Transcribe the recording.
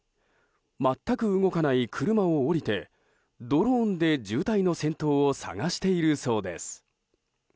全く動かない車を降りてドローンで渋滞の先頭を探しているそうです。